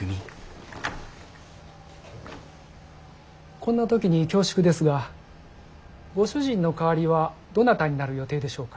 こんな時に恐縮ですがご主人の代わりはどなたになる予定でしょうか？